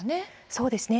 そうですね。